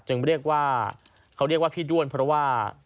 เรียกว่าเขาเรียกว่าพี่ด้วนเพราะว่า